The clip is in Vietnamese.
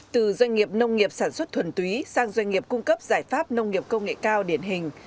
từ doanh nghiệp nông nghiệp sản xuất thuần túy sang doanh nghiệp cung cấp giải pháp nông nghiệp công nghệ cao điển hình